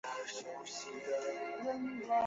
唐朝武德四年复置。